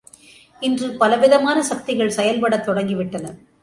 இன்று பலவிதமான சக்திகள் செயல்படத் தொடங்கிவிட்டன.